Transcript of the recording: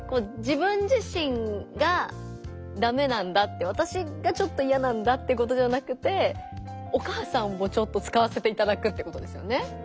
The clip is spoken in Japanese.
自分自身がダメなんだってわたしがちょっといやなんだってことじゃなくてお母さんもちょっと使わせていただくってことですよね。